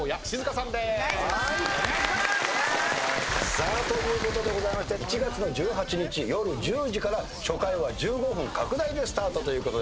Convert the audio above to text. さあということでございまして１月の１８日夜１０時から初回は１５分拡大でスタートということでございます。